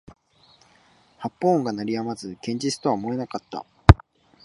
発砲音が鳴り止まず現実とは思えなかった